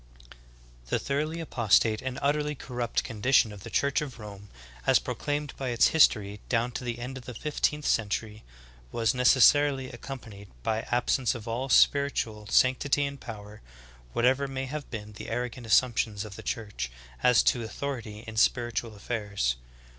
1. The thoroughly apostate and utterly corrupt condi tion of the Church of Rome as proclaimed by its history down to the end of the fifteenth century,^ was necessarily accompanied by absence of all spiritual sanctity and power whatever may have been the arrogant assumptions of the Church as to authority in spiritual affairs.